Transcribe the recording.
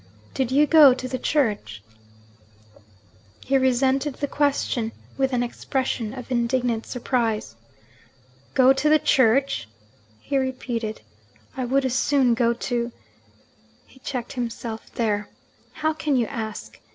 'Did you go to the church?' He resented the question with an expression of indignant surprise. 'Go to the church?' he repeated. 'I would as soon go to ' He checked himself there. 'How can you ask?'